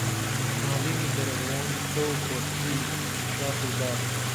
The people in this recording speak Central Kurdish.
ناڵینی بەربەیانی کەو و کۆتری شاخ و داخ